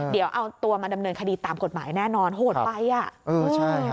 เดี๋ยวเอาตัวมาดำเนินคดีตามกฎหมายแน่นอนโหดไปอ่ะ